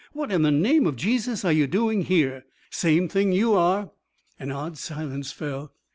What, in the name of Jesus, are you doing here?" "Same thing you are." An odd silence fell.